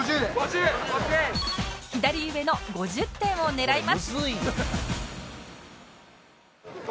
左上の５０点を狙います